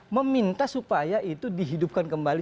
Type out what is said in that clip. meminta supaya itu dihidupkan kembali